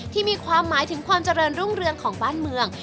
ที่มีความหมายถึงความเจริญรุ่งเรืองของบ้านเมือง